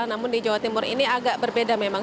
namun di jawa timur ini agak berbeda memang